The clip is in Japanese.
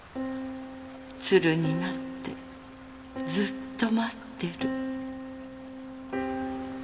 鶴になってずっと待ってる。